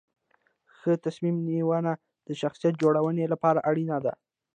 ښه تصمیم نیونه د شخصیت جوړونې لپاره اړین دي.